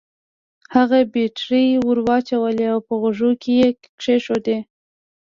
هغه بېټرۍ ور واچولې او په غوږو کې يې کېښوده.